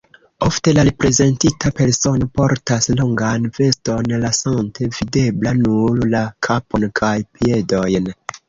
Ofte la reprezentita persono portas longan veston, lasante videbla nur la kapon kaj piedojn.